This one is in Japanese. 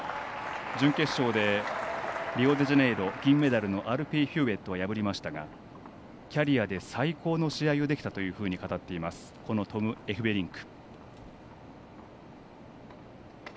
準決勝でリオデジャネイロ銀メダリストのアルフィー・ヒューウェットを破りましたがキャリアで最高の試合ができたと語っているトム・エフベリンク。